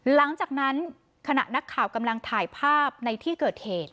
หลังจากนั้นขณะนักข่าวกำลังถ่ายภาพในที่เกิดเหตุ